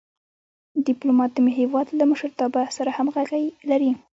ډيپلومات د هېواد له مشرتابه سره همږغي لري.